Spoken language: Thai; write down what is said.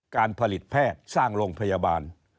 การผลิตแพทย์สร้างโรงพยาบาล